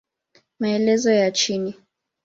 Maelezo ya chini